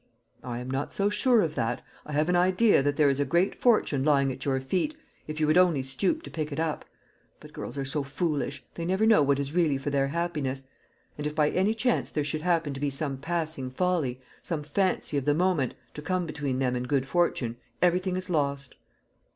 "I am not so sure of that. I have an idea that there is a great fortune lying at your feet, if you would only stoop to pick it up. But girls are so foolish; they never know what is really for their happiness; and if by any chance there should happen to be some passing folly, some fancy of the moment, to come between them and good fortune, everything is lost."